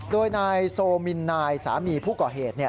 โดยนายโซมินนายสามีผู้ก่อเหตุ